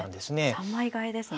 三枚換えですね。